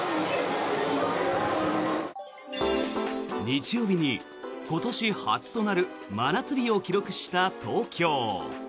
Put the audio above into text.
日曜日に今年初となる真夏日を記録した東京。